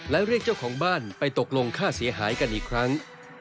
และเรียกเจ้าของบ้านไปตกลงค่าเสียหายกันอีกครั้ง